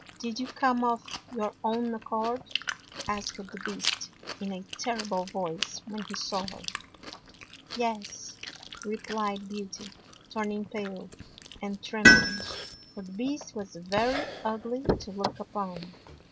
" Did you come of your own accord? " asked the Beast, in a terrible voice, when he saw her. " Yes," replied Beauty, turning pale, and trembling, for the Beast was very ugly to look upon.